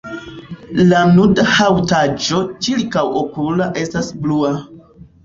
La nuda haŭtaĵo ĉirkaŭokula estas blua.